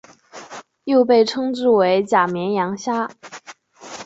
又被称之为假绵羊虾。